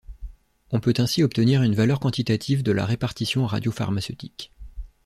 On peut ainsi obtenir une valeur quantitative de la répartition radiopharmaceutique.